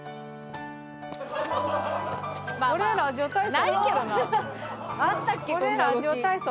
ないけどな。